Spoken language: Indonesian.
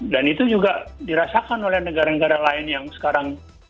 dan itu juga dirasakan oleh negara negara lain yang sekarang